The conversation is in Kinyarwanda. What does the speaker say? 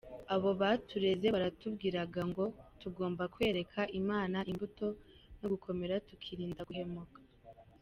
Abo batureze baratubwiraga ngo tugomba kwerera Imana imbuto no gukomera tukirinda guhemuka.